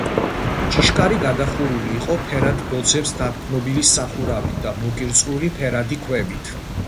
ჭიშკარი გადახურული იყო ფერად ბოძებს დაყრდნობილი სახურავით და მოკირწყლული ფერადი ქვებით.